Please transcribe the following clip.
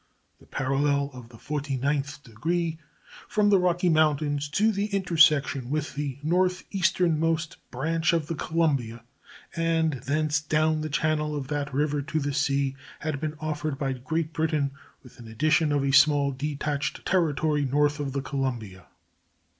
The parallel of the forty ninth degree from the Rocky Mountains to its intersection with the northeasternmost branch of the Columbia, and thence down the channel of that river to the sea, had been offered by Great Britain, with an addition of a small detached territory north of the Columbia.